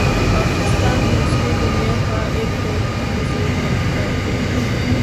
پاکستان دوسری دنیا کا ایک ترقی پزیر ملک ہے